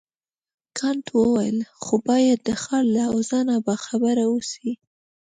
کانت وویل ته خو باید د ښار له اوضاع نه باخبره اوسې.